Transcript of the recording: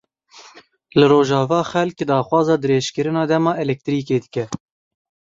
Li Rojava xelk daxwaza dirêjkirina dema elektrîkê dike.